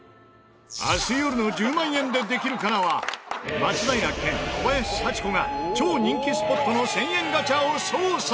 明日よるの『１０万円でできるかな』は松平健小林幸子が超人気スポットの１０００円ガチャを捜査。